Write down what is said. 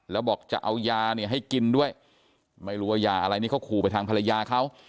แล้วบอกจะเอายาเนี่ยให้กินด้วยไม่รู้ว่ายาอะไรนี่เขาขู่ไปทางภรรยาเขา